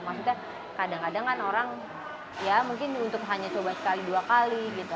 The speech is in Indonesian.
maksudnya kadang kadang kan orang ya mungkin untuk hanya coba sekali dua kali gitu